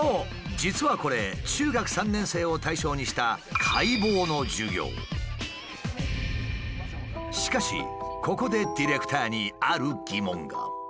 実はこれ中学３年生を対象にしたしかしここでディレクターにある疑問が。